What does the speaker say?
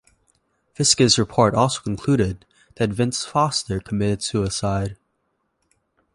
Fiske's report also concluded that Vince Foster committed suicide.